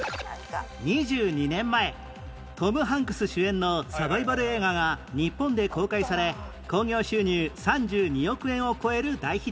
２２年前トム・ハンクス主演のサバイバル映画が日本で公開され興行収入３２億円を超える大ヒット